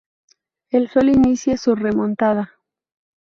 El sol inicia su remontada.